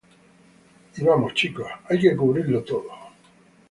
¡ vamos, chicos, hay que cubrirlo todo!